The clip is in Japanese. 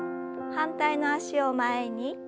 反対の脚を前に。